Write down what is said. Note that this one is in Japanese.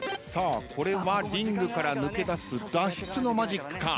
これはリングから抜け出す脱出のマジックか？